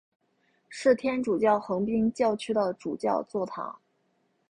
是天主教横滨教区的主教座堂。